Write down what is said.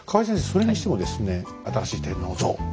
それにしてもですね新しい天皇像。